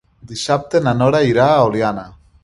Dissabte na Nora irà a Oliana.